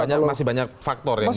masih banyak faktor yang di